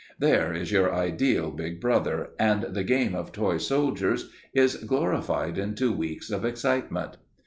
There is your ideal big brother, and the game of toy soldiers is glorified into weeks of excitement!